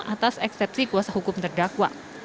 atas eksepsi kuasa hukum terdakwa